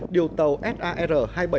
điều tàu sar hai nghìn bảy trăm linh một